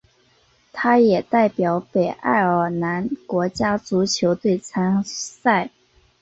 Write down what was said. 他也代表北爱尔兰国家足球队参赛。